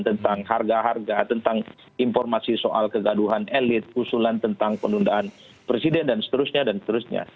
tentang harga harga tentang informasi soal kegaduhan elit usulan tentang penundaan presiden dan seterusnya dan seterusnya